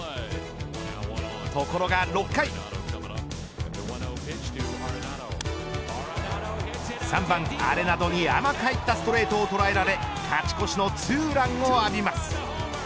ところが６回３番アレナドに甘く入ったストレートを捉えられ勝ち越しのツーランを浴びます。